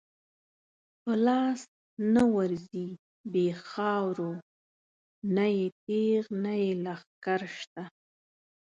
په لاس نه ورځی بی خاورو، نه یی تیغ نه یی لښکر شته